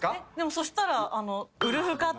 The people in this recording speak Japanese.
そしたら。